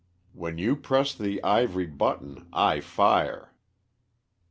When you press the ivory button, I fire."